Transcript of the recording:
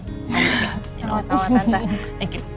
terima kasih tante